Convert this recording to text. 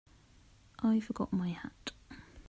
I forgot my hat.